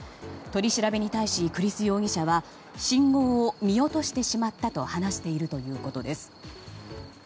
取り調べに対し栗栖容疑者は信号を見落としてしまったと話しているということです。